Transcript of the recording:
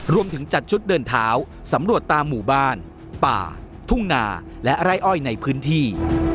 จัดชุดเดินเท้าสำรวจตามหมู่บ้านป่าทุ่งนาและไร่อ้อยในพื้นที่